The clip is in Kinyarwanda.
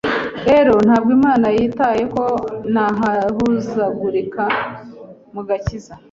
Rero ntabwo Imana yitaye ko nahuzagurikaga mu gakiza,